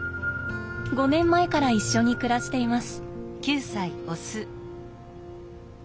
５年前から一緒に暮らしています。